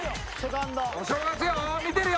お正月よ！